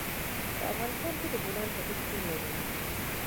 په افغانستان کې د بولان پټي شتون لري.